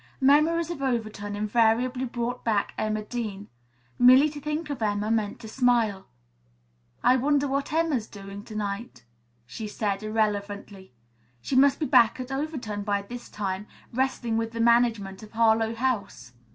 Memories of Overton invariably brought back Emma Dean. Merely to think of Emma meant to smile. "I wonder what Emma's doing to night," she said irrelevantly. "She must be back at Overton by this time, wrestling with the management of Harlowe House."